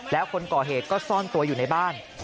แล้วคนก่อเหตุก็ซ่อนตัวอยู่ในบ้าน